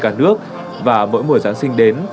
cả nước và mỗi mùa giáng sinh đến